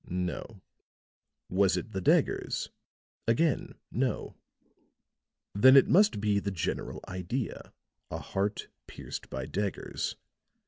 No. Was it the daggers? Again, no. Then it must be the general idea a heart pierced by daggers.